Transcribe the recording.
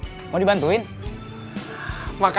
mulai winning waul atas tempat kerja secara otot